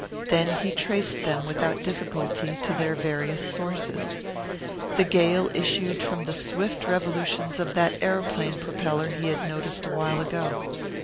Then he traced them without difficulty to their various sources. The gale issued from the swift revolutions of that aeroplane propeller he had noticed a while ago.